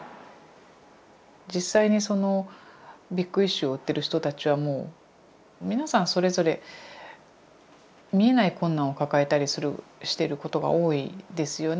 実際に「ビッグイシュー」を売ってる人たちはもう皆さんそれぞれ見えない困難を抱えたりしてることが多いんですよね。